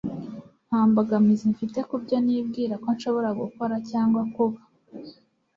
Nta mbogamizi mfite ku byo nibwira ko nshobora gukora cyangwa kuba. ”